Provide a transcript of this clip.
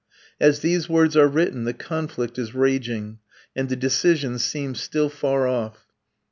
As these words are written the conflict is raging, and the decision seems still far off.